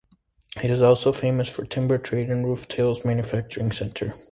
It is also famous for timber trade and roof tales manufacturing centre.